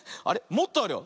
もっとあるよ。